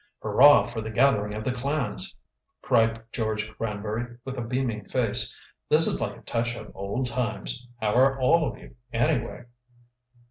"Hurrah for the gathering of the clans!" cried George Granbury, with a beaming face. "This is like a touch of old times. How are all of you, anyway?"